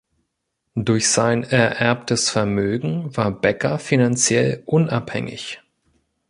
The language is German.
Durch sein ererbtes Vermögen war Becker finanziell unabhängig.